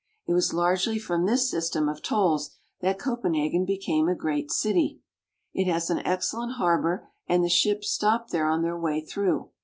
It was largely from this system of tolls that Copenhagen became a great city. It has an excellent harbor, and the ships stopped there on their way through.